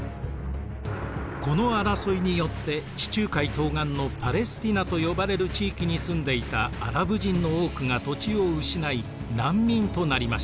この争いによって地中海東岸のパレスティナと呼ばれる地域に住んでいたアラブ人の多くが土地を失い難民となりました。